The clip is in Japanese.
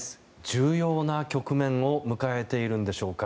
重要な局面を迎えているんでしょうか。